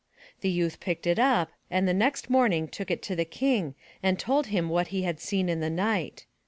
The youth picked it up and the next morning took it to the King and told him what he had seen in the night.